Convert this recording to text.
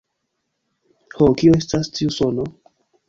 Ho, kio estas tiu sono?